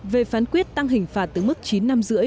về phán quyết tăng hình phạt từ mức chín năm rưỡi